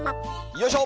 よいしょ！